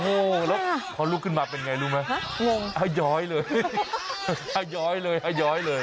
โอ้โหแล้วพอลุกขึ้นมาเป็นไงรู้ไหมงงอย้อยเลยอย้อยเลยอาย้อยเลย